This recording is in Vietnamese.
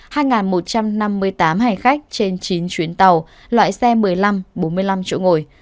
hai một trăm năm mươi tám hành khách trên chín chuyến tàu loại xe một mươi năm bốn mươi năm chỗ ngồi